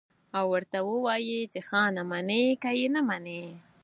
او ورته ووايي چې خانه منې که يې نه منې.